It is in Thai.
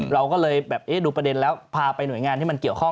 เราก็เลยแบบเอ๊ะดูประเด็นแล้วพาไปหน่วยงานที่มันเกี่ยวข้อง